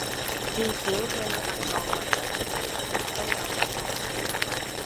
至少你要行路或者截的士都有個譜